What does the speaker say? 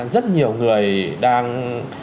rất nhiều người đang